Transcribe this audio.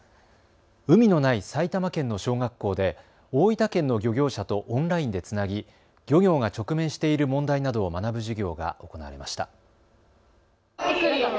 海のない埼玉県の小学校で大分県の漁業者とオンラインでつなぎ漁業が直面している問題などを学ぶ授業が行われました。